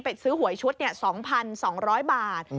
ไปซื้อหวยชุดเนี่ย๒๒๐๐บาท